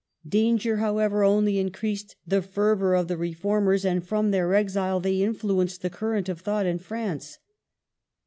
Danger, however, only increased the fervor of the Re formers, and from their exile they influenced the current of thought in France.